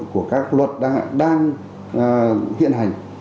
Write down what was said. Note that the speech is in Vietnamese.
của các luật đang hiện hành